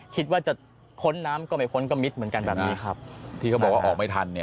คิดว่าจะพ้นน้ำก็ไม่พ้นก็มิดเหมือนกันแบบนี้ครับที่เขาบอกว่าออกไม่ทันเนี่ย